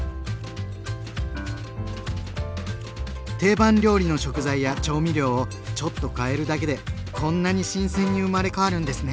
定番料理の食材や調味料をちょっとかえるだけでこんなに新鮮に生まれ変わるんですね。